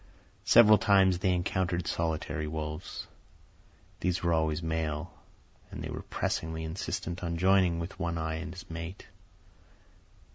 Several times they encountered solitary wolves. These were always males, and they were pressingly insistent on joining with One Eye and his mate.